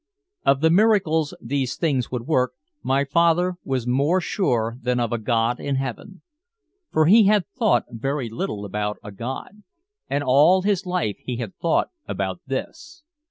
Of the miracles these things would work my father was more sure than of a god in heaven. For he had thought very little about a god, and all his life he had thought about this.